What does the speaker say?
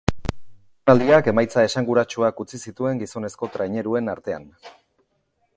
Lehenengo jardunaldiak emaitza esanguratsuak utzi zituen gizonezko traineruen artean.